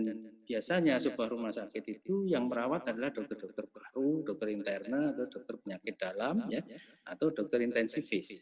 dan biasanya sebuah rumah sakit itu yang merawat adalah dokter dokter baru dokter interna dokter penyakit dalam atau dokter intensifis